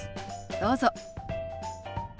どうぞ。